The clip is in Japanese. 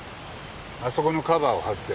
あそこのカバーを外せ。